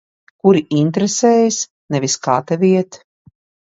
Kuri interesējas nevis kā tev iet.